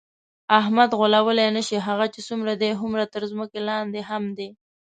احمد غولولی نشې، هغه چې څومره دی هومره تر ځمکه لاندې هم دی.